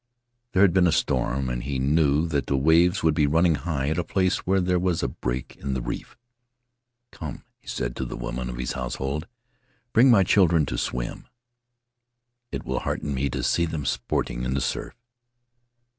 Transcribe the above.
'There had been a storm and he knew that the waves would be running high at a place where there was a break in the reef. 'Come/ he said to the women of his household, * bring my children to swim — it will hearten me to see them sporting in the surf.'